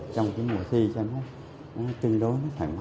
trong cái mùa thi cho nó tương đối nó thoải mái